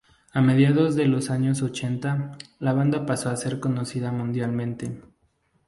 A mediados de los años ochenta, la banda pasó a ser conocida mundialmente.